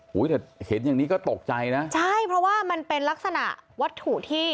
เห็นอย่างนี้ก็ตกใจนะใช่เพราะว่ามันเป็นลักษณะวัตถุที่